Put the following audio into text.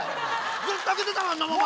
ずっと開けてたわんなもん。